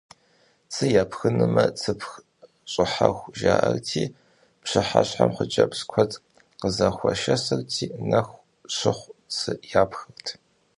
Цы япхынумэ, «цыпх щӀыхьэху» жаӀэрти, пщыхьэщхьэм хъыджэбз куэду къызэхуашэсырти, нэху щыху цы япхырт.